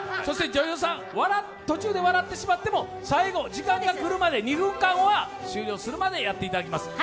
女優さん、途中で笑ってしまっても、時間が来るまでは、２分間は終了するまでやっていただきます。